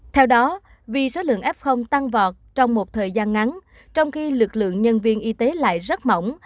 theo đó vì số lượng f tăng vọt trong một thời gian ngắn trong khi lực lượng nhân viên y tế lại rất mỏng